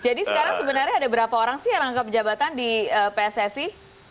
jadi sekarang sebenarnya ada berapa orang sih yang rangkap jabatan di pssi